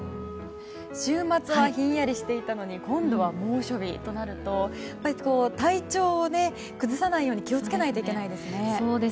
週末はひんやりしていたのに今度は猛暑日となると体調を崩さないように気をつけないといけませんね。